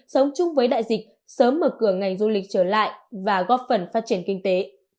sống chung với đại dịch sớm mở cửa ngành du lịch trở lại và góp phần phát triển kinh tế